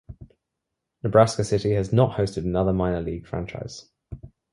Nebraska City has not hosted another minor league franchise.